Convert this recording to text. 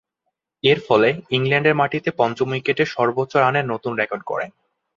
এরফলে, ইংল্যান্ডের মাটিতে পঞ্চম উইকেটে সর্বোচ্চ রানের নতুন রেকর্ড গড়েন।